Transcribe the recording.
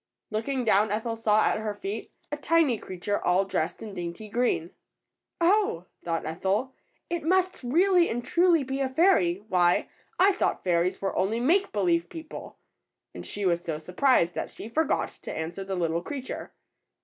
^' Looking down Ethel saw at her feet a tiny 122 ETHEL'S FRIENDS. creature all dressed in dainty green. thought Ethel, ^^it must really and truly be a fairy. Why, I thought fairies were only make believe people!'' and she was so surprised that she forgot to answer the little creature.